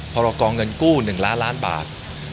พรกรเงินกู้๑ล้านล้านบาท